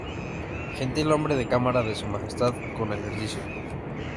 Gentilhombre de cámara de su majestad con ejercicio.